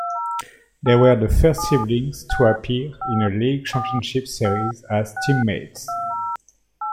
They were the first siblings to appear in a League Championship Series as teammates.